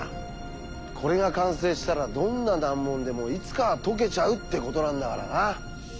これが完成したらどんな難問でもいつかは解けちゃうってことなんだからな。